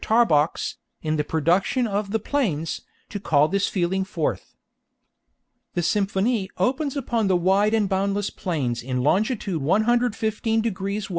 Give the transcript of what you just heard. Tarbox, in the production of "The Plains," to call this feeling forth. The symphonie opens upon the wide and boundless plains in longitude 115 degrees W.